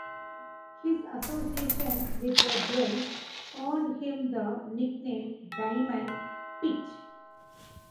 His association with the jewel earned him the nickname "Diamond" Pitt.